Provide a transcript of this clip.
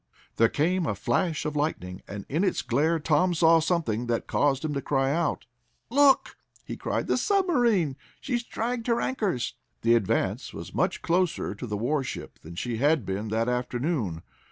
There came a flash of lightning, and in its glare Tom saw something that caused him to cry out. "Look!" he shouted. "The submarine. She's dragged her anchors!" The Advance was much closer to the warship than she had been that afternoon.